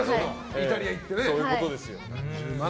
イタリア行ってね。